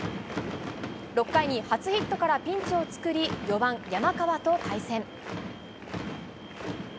６回に初ヒットからピンチを作り、４番山川と対戦。